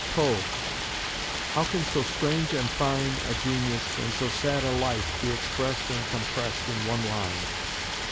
B. POE How can so strange and fine a genius and so sad a life be expressed and compressed in one line?